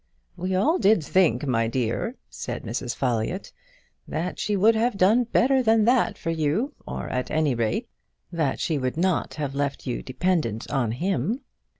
"We all did think, my dear," said Mrs. Folliott, "that she would have done better than that for you, or at any rate that she would not have left you dependent on him."